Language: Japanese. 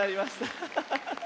ハハハハ。